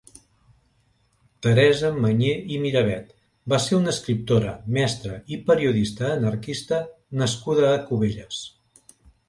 Teresa Mañé i Miravet va ser una escriptora, mestra i periodista anarquista nascuda a Cubelles.